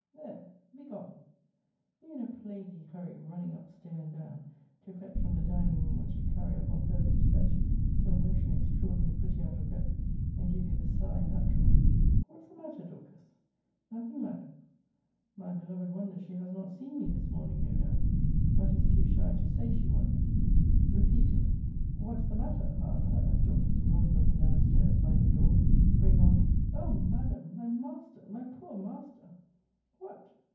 There! Begone! Be in a plaguy hurry running up stair and down, to fetch from the dining room what you carry up on purpose to fetch, till motion extraordinary put you out of breath, and give you the sigh natural. What's the matter, Dorcas? Nothing, Madam. My beloved wonders she has not seen me this morning, no doubt; but is too shy to say she wonders. Repeated What's the matter, however, as Dorcas runs up and down stairs by her door, bring on, O Madam! my master! my poor master! What!